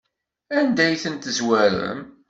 Anda ay ten-tezwarem?